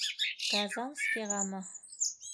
Казанскийғамы?